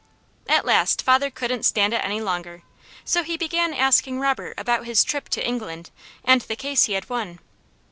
At last father couldn't stand it any longer, so he began asking Robert about his trip to England, and the case he had won.